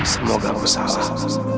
semoga aku salah